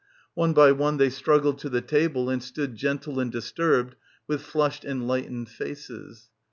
One by one they struggled to the table and stood gentle and dis turbed with flushed enlightened faces.